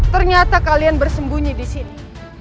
ternyata kalian bersembunyi di sini